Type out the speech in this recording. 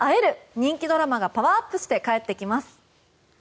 人気ドラマがパワーアップして帰ってきます！